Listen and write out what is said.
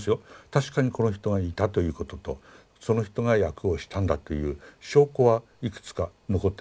確かにこの人がいたということとその人が訳をしたんだという証拠はいくつか残ってます。